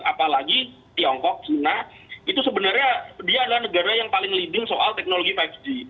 apalagi tiongkok china itu sebenarnya dia adalah negara yang paling leading soal teknologi lima g